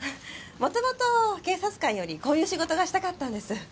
もともと警察官よりこういう仕事がしたかったんです。